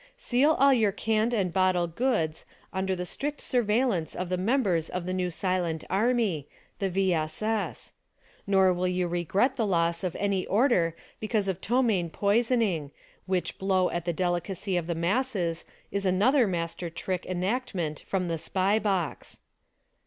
Seal all your canned and bottle goods under the strict surveillance of the members of the new silent army — ^the V. S. S. Nor will you regret the loss of any order because of ptomaine poisoning, which blow at the delicacy of the masses is another master trick enactment from the SPY box.